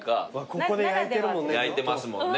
ここで焼いてるもんね。